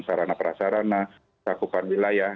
sarana perasarana takupan wilayah